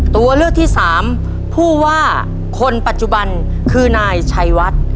ตัวเลือกที่สามผู้ว่าคนปัจจุบันคือนายชัยวัด